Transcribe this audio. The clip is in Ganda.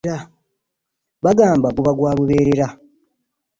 Bagamba guba gwa luberera.